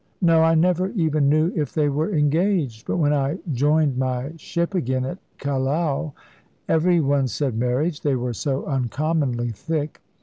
"No; I never even knew if they were engaged. But when I joined my ship again at Callao, every one said 'marriage' they were so uncommonly thick.